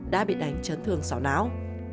đã bị đánh chấn thương xỏ não